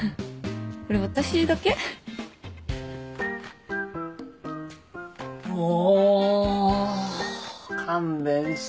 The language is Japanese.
これ私だけ？も勘弁してよ。